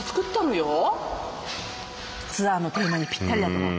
ツアーのテーマにぴったりだね。